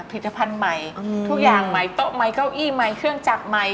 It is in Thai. ผลิตภัณฑ์ใหม่ทุกอย่างใหม่โต๊ะใหม่เก้าอี้ใหม่เครื่องจักรใหม่